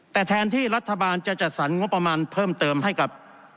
แต่แทนที่รัฐบาลจะจัดสรรงบประมาณเพิ่มเติมให้กับ